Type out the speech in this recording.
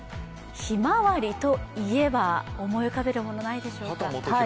ひまわりといえば、思い浮かべることないでしょうか？